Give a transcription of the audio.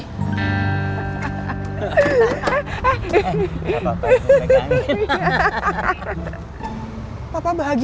hahaha eh gak apa apa gue pegangin